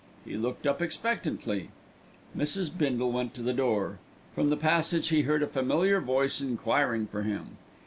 He looked up expectantly. Mrs. Bindle went to the door. From the passage he heard a familiar voice enquiring for him.